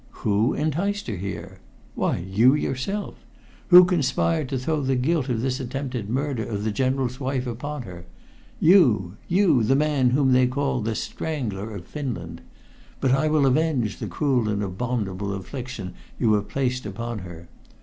"Who enticed her here? Why you, yourself. Who conspired to throw the guilt of this attempted murder of the general's wife upon her? You you, the man whom they call 'The Strangler of Finland'! But I will avenge the cruel and abominable affliction you have placed upon her.